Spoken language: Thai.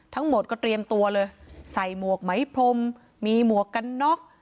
ทั้งหมดก็เตรียมตัวเลยใส่หมวกไหมพรมมีหมวกกันน็อก